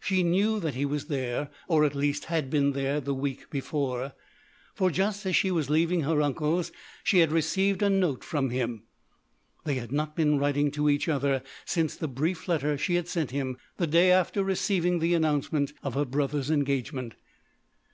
She knew that he was there, or at least had been there the week before, for just as she was leaving her uncle's she had received a note from him. They had not been writing to each other since the brief letter she had sent him the day after receiving the announcement of her brother's engagement.